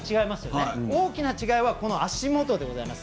大きな違いは足元でございます。